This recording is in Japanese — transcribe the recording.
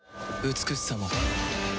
美しさも